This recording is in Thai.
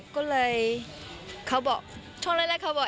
ก็เลยเขาบอกช่วงแรกเขาบอก